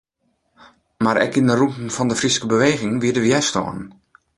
Mar ek yn de rûnten fan de Fryske beweging wie der wjerstân.